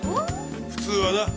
普通はな。